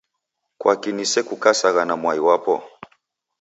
Kwaki nisekukasagha na mwai wapo?